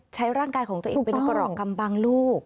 ร่างกายของตัวเองเป็นกรอกกำบังลูก